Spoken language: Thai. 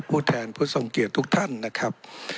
ผู้แทนผู้ทรงเกียจทุกท่านนะครับ